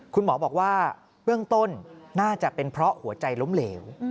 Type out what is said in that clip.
คุณหมอบอกว่าเบื้องต้นน่าจะเป็นเพราะหัวใจล้มเหลว